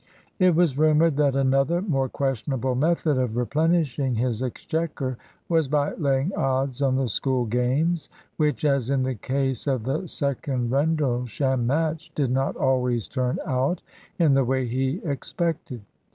It was rumoured that another more questionable method of replenishing his exchequer was by laying odds on the School games, which (as in the case of the second Rendlesham match) did not always turn out in the way he expected.